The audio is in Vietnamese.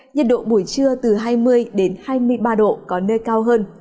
nhiệt độ buổi trưa từ hai mươi hai mươi ba độ có nơi cao hơn